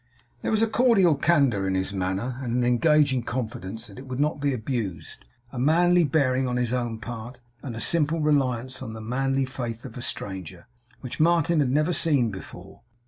There was a cordial candour in his manner, and an engaging confidence that it would not be abused; a manly bearing on his own part, and a simple reliance on the manly faith of a stranger; which Martin had never seen before.